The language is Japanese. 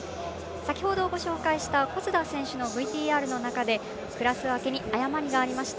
先ほどご紹介した小須田選手のＶＴＲの中でクラス分けに誤りがありました。